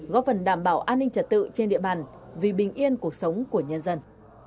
góp phần đảm bảo an ninh trật tự trên địa bàn vì bình yên cuộc sống của nhân dân